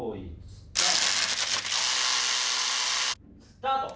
スタート。